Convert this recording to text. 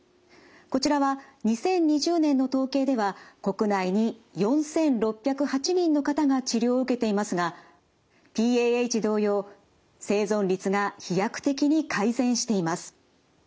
こちらは２０２０年の統計では国内に４，６０８人の方が治療を受けていますがＰＡＨ同様生存率が飛躍的に改善しています。